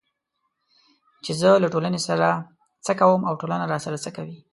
چې زه له ټولنې سره څه کوم او ټولنه راسره څه کوي